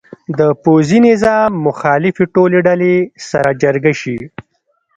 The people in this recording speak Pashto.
د پوځي نظام مخالفې ټولې ډلې سره جرګه شي.